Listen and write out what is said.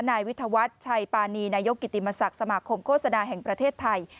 นายวิทยาวัฒน์ชัยปานีนายกกิติมศักดิ์สมาคมโฆษณาแห่งประเทศไทย